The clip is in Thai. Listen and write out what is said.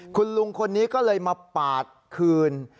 คุณลุงคนนี้ก็เลยมาปาดคืน